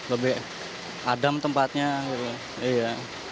lebih adem tempatnya gitu